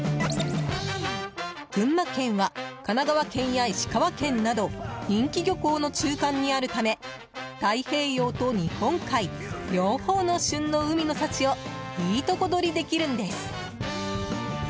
群馬県は、神奈川県や石川県など人気漁港の中間にあるため太平洋と日本海両方の旬の海の幸をいいとこ取りできるんです。